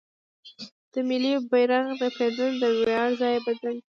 د ملي بیرغ رپیدل د ویاړ ځای دی.